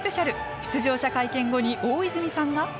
出場者会見後に、大泉さんが。